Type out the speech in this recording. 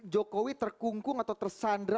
jokowi terkungkung atau tersandar